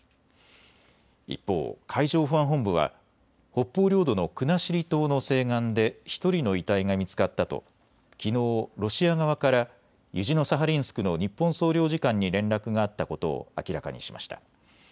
一方、海上保安本部は北方領土の国後島の西岸で１人の遺体が見つかったときのうロシア側からユジノサハリンスクの日本総領事館に連絡があったことを明らかにしました。